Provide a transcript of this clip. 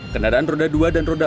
kendaraan roda dua dan roda empat